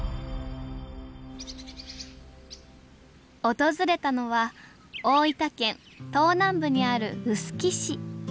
訪れたのは大分県東南部にある臼杵市。